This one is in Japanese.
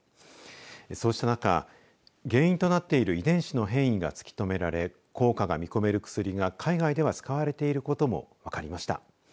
そうした中原因となっている遺伝子の変異が突き止められ効果が見込める薬が海外では使われていることも分かりました。